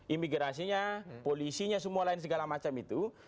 imigrasinya polisinya semua lain segala macam itu